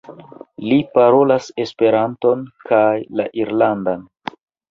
Li parolas Esperanton kaj la irlandan.